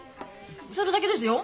それだけですよ。